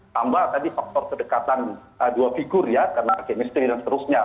tambah tadi faktor kedekatan dua figur ya karena chemistry dan seterusnya